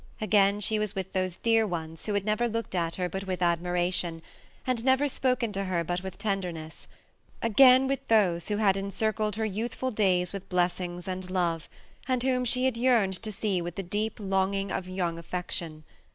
Again she was with those dear ones who had never looked at her but with admiration, and never spoken to her but with tenderness. Again with those who had encircled her youthful days with blessings and love, and whom^he had yearned to see with the deep longing of young affec tion.